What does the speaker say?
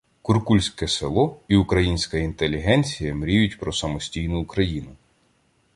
"Куркульське" село і українська інтелігенція мріють про Самостійну Україну.